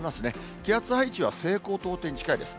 気圧配置は西高東低に近いです。